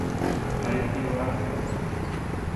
Raíz pivotante corta.